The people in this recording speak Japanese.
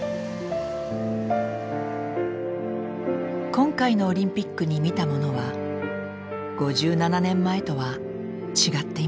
今回のオリンピックに見たものは５７年前とは違っていました。